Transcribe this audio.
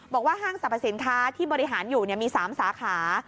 ห้างสรรพสินค้าที่บริหารอยู่มี๓สาขา